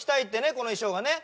この衣装がね